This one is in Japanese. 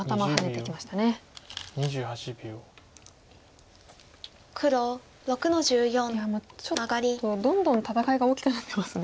いやちょっとどんどん戦いが大きくなってますね。